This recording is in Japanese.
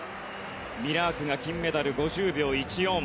ミラークが金メダル５０秒１４。